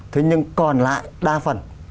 thế nhưng còn lại đa phần